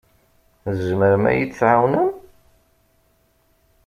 Tzemrem ad iyi-tɛawnem?